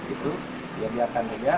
itu biarkan saja